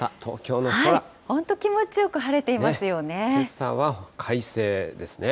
本当、気持ちよく晴れていまけさは快晴ですね。